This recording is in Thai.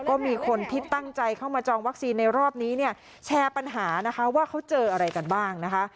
ก็มีคนที่ตั้งใจเข้ามาจองวัคซีนในรอบนี้เนี่ยแชร์ปัญหานะคะว่าเขาเจออะไรกันบ้างนะคะ